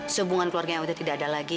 hubungan keluarga yang udah tidak ada lagi